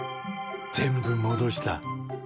全部戻した。